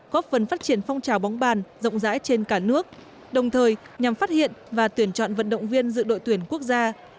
góp phần phát triển phong trào bóng bàn rộng rãi trên cả nước đồng thời nhằm phát hiện và tuyển chọn vận động viên dự đội tuyển quốc gia